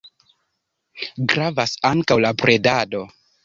Gravas ankaŭ la bredado.